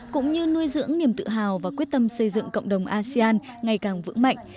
cũng như nuôi dưỡng niềm tự hào và quyết tâm xây dựng cộng đồng asean ngày càng vững mạnh